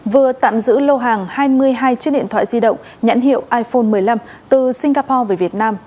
vừa tạm giữ lô hàng hai mươi hai chiếc điện thoại di động nhãn hiệu iphone một mươi năm từ singapore về việt nam